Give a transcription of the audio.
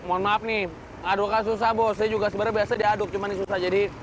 mohon maaf nih adukah susah bos saya juga sebenarnya biasa diaduk cuma ini susah jadi